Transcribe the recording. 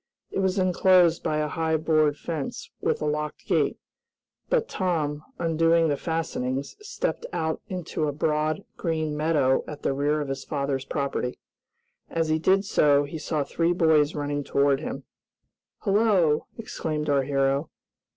It was enclosed by a high board fence, with a locked gate, but Tom, undoing the fastenings, stepped out into a broad, green meadow at the rear of his father's property. As he did so he saw three boys running toward him. "Hello!" exclaimed our hero.